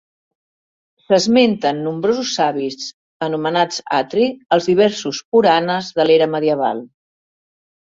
S'esmenten nombrosos savis anomenats Atri als diversos puranas de l'era medieval.